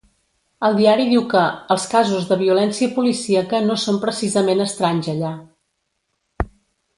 El diari diu que “els casos de violència policíaca no són precisament estranys allà”.